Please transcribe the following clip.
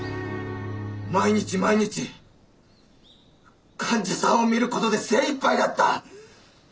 毎日毎日患者さんを診る事で精いっぱいだった！